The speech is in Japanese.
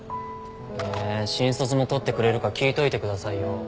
えー新卒も採ってくれるか聞いといてくださいよ。